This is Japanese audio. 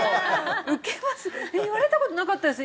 言われたことなかったです